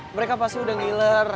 mereka pasti udah ngiler